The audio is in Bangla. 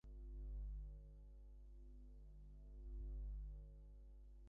তাহারই এলোচুলের উপরে ঐ আকাশের তারাগুলি লক্ষীর স্বহস্তের আর্শীবাদের মালা।